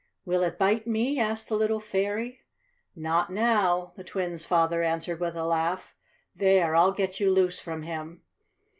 "Will it bite me?" asked the little "fairy." "Not now!" the twins' father answered with a laugh. "There, I'll get you loose from him!"